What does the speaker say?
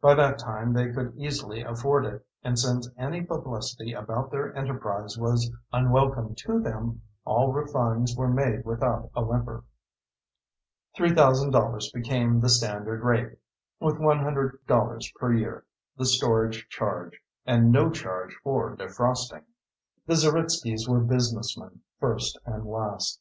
By that time they could easily afford it, and since any publicity about their enterprise was unwelcome to them, all refunds were made without a whimper. $3,000 became the standard rate, with $100 per year the storage charge, and no charge for defrosting. The Zeritskys were businessmen, first and last.